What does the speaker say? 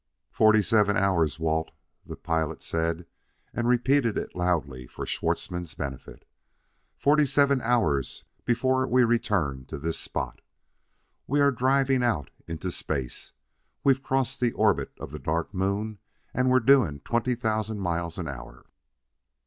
"Forty seven hours, Walt," the pilot said, and repeated it loudly for Schwartzmann's benefit; " forty seven hours before we return to this spot. We are driving out into space; we've crossed the orbit of the Dark Moon, and we're doing twenty thousand miles an hour.